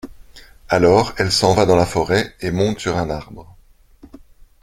Alors elle s'en va dans la forêt et monte sur un arbre.